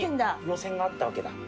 路線があったわけだ。